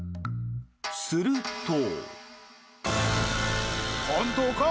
すると。